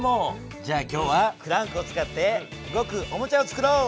じゃあ今日はクランクを使って動くおもちゃをつくろう！